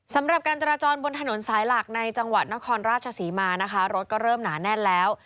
สำหรับการจราจรบนถนนสายหลักในจังหวัดนครราชศรีมานะคะรถก็เริ่มหนาแน่นแล้ว